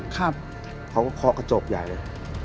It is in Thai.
เขาก็เคาะกระจกใหญ่เลย